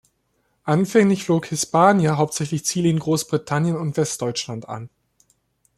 Anfänglich flog "Hispania" hauptsächlich Ziele in Großbritannien und Westdeutschland an.